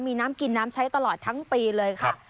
มีน้ำกินน้ำใช้ตลอดทั้งปีเลยค่ะ